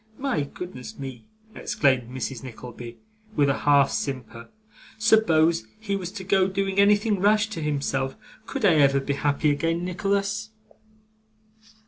My goodness me!' exclaimed Mrs. Nickleby, with a half simper, 'suppose he was to go doing anything rash to himself. Could I ever be happy again, Nicholas?